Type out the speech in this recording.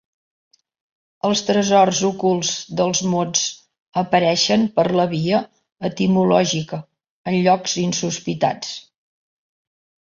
Els tresors ocults dels mots apareixen per la via etimològica en llocs insospitats.